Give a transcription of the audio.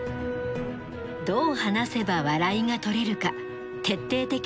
どう話せば笑いが取れるか徹底的に研究。